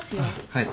はい。